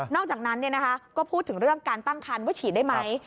อกจากนั้นก็พูดถึงเรื่องการตั้งคันว่าฉีดได้ไหม